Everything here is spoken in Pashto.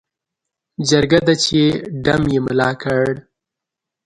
جرګه ده چې ډم یې ملا کړ.